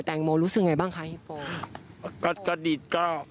แต่งโมรู้สึกยังไงบ้างคะฮิปโป